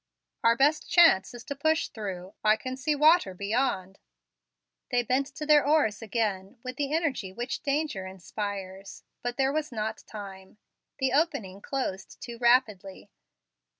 Our best chance is to push through. I can see water beyond." They bent to their oars again with the energy which danger inspires. But there was not time. The opening closed too rapidly.